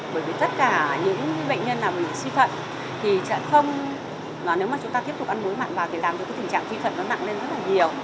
bởi vì tất cả những bệnh nhân nào bị suy phận thì chẳng không nếu mà chúng ta tiếp tục ăn muối mặn vào thì làm cho cái tình trạng suy phận nó nặng lên rất là nhiều